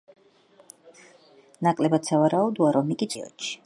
ნაკლებად სავარაუდოა, რომ იგი ცნობილი იყო მიკენის პერიოდში.